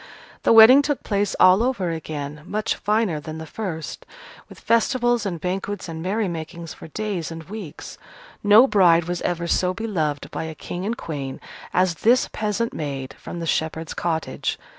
The wedding took place all over again, much finer than the first, with festivals and banquets and merrymakings for days and weeks. No bride was ever so beloved by a King and Queen as this peasant maid from the shepherd's cottage.